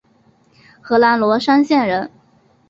河南罗山县人。